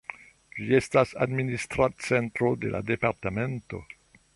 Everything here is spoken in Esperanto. Ĝi estis administra centro de la departemento.